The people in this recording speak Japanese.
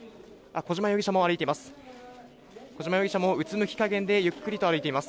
小島容疑者も歩いています。